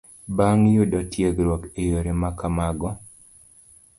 Bang' yudo tiegruok e yore ma kamago